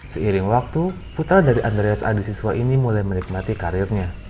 seiring waktu putra dari andreas adi siswa ini mulai menikmati karirnya